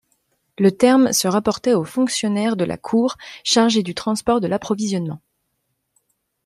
Le terme se rapportait au fonctionnaire de la cour chargé du transport de l’approvisionnement.